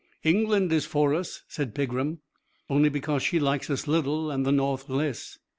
"England is for us," said Pegram, "only because she likes us little and the North less.